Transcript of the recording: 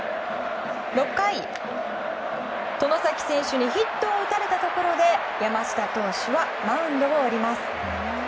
６回、外崎選手にヒットを打たれたところで山下投手はマウンドを降ります。